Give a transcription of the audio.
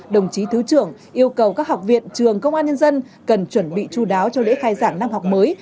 đồng chí thứ trưởng yêu cầu các học viện trường công an nhân dân cần chuẩn bị chú đáo cho lễ khai giảng năm học mới